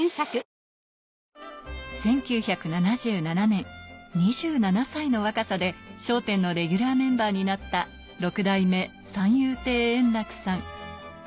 １９７７年、２７歳の若さで笑点のレギュラーメンバーになった、六代目三遊亭円楽さん。